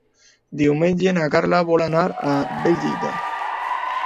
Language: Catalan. Diumenge na Carla vol anar a Bèlgida.